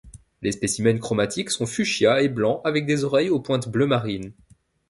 Les spécimens chromatiques sont fuchsia et blancs avec des oreilles aux pointes bleu marine.